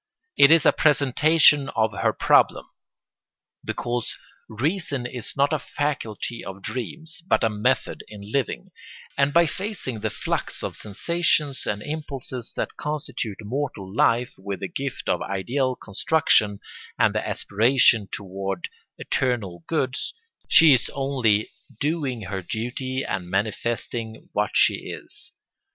It is a presentation of her problem, because reason is not a faculty of dreams but a method in living; and by facing the flux of sensations and impulses that constitute mortal life with the gift of ideal construction and the aspiration toward eternal goods, she is only doing her duty and manifesting what she is.